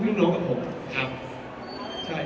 เสียงปลดมือจังกัน